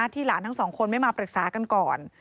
ที่หลานทั้งสองคนไม่มาปรึกษากันก่อน